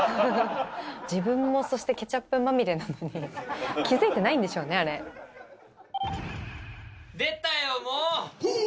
自分も、そしてケチャップまみれなのに、気付いてないんでしょうね、出たよ、もう。